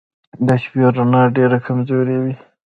د شپې رڼا ډېره کمزورې وه.